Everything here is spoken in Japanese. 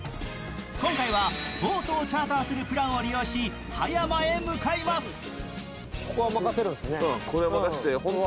今回はボートをチャーターするプランを利用し、葉山へ向かいます。